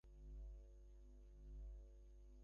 ধ্রুবকে বলিলেন, ঠাকুরকে প্রণাম করো।